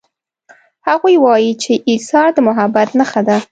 هغوی وایي چې ایثار د محبت نښه ده